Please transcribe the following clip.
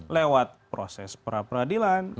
lewat proses peradilan